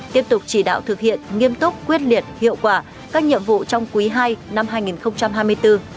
tiếp tục chỉ đạo thực hiện nghiêm túc quyết liệt hiệu quả các nhiệm vụ trong quý ii năm hai nghìn hai mươi bốn